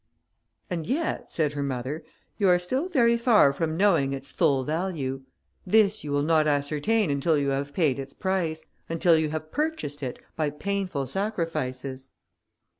"And yet," said her mother, "you are still very far from knowing its full value; this you will not ascertain until you have paid its price, until you have purchased it by painful sacrifices."